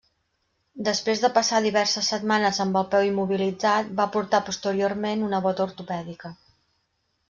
Després de passar diverses setmanes amb el peu immobilitzat, va portar posteriorment una bota ortopèdica.